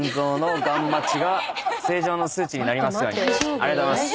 ありがとうございます。